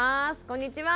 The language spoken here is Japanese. こんにちは。